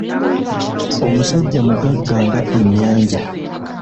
Omusajja mugagga nga Ennyanja.